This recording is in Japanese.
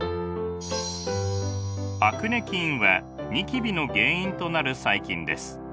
アクネ菌はニキビの原因となる細菌です。